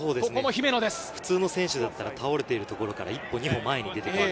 普通の選手だったら倒れているところから１歩２歩前に出ている。